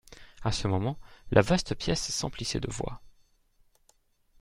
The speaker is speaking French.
À ce moment, la vaste pièce s'emplissait de voix.